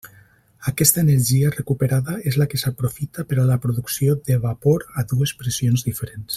Aquesta energia recuperada és la que s'aprofita per a la producció de vapor a dues pressions diferents.